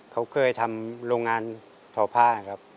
เขาเคยทำโรงงานทอพ่าครับ